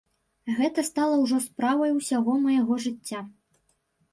Гэта стала ўжо справай усяго майго жыцця.